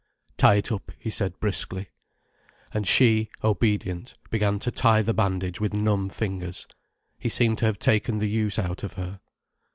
"Tie it up," he said briskly. And she, obedient, began to tie the bandage with numb fingers. He seemed to have taken the use out of her.